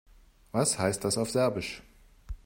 Was heißt das auf Serbisch?